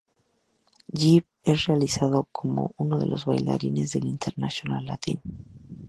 Jive es realizado como uno de los bailes del "International latin".